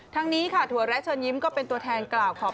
ทั้งนี้ค่ะถั่วแร้เชิญยิ้มก็เป็นตัวแทนกล่าวขอบ